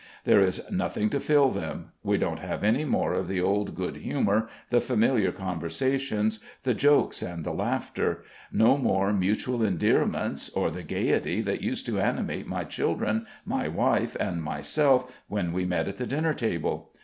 There is nothing to fill them. We don't have any more of the old good humour, the familiar conversations, the jokes and the laughter; no more mutual endearments, or the gaiety that used to animate my children, my wife, and myself when we met at the dinner table.